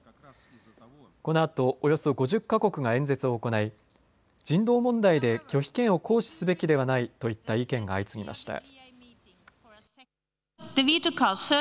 このあとおよそ５０か国が演説を行い人道問題で拒否権を行使すべきではないといった意見が相次ぎました。